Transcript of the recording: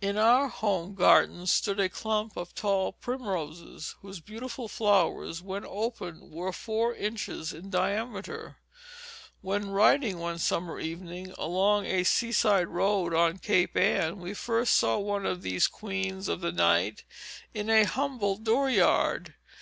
In our home garden stood a clump of tall primroses, whose beautiful flowers, when opened, were four inches in diameter. When riding, one summer evening, along a seaside road on Cape Ann, we first saw one of these queens of the night in an humble dooryard.